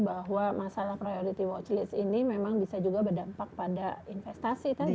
bahwa masalah priority watch list ini memang bisa juga berdampak pada investasi tadi